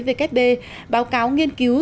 vkp báo cáo nghiên cứu